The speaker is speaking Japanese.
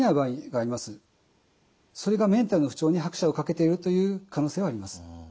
それがメンタルの不調に拍車をかけているという可能性はあります。